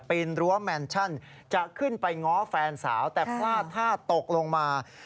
รั้วแมนชั่นจะขึ้นไปง้อแฟนสาวแต่พลาดท่าตกลงมา